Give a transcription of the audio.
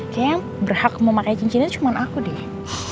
kayaknya yang berhak mau pake cincinnya cuma aku deh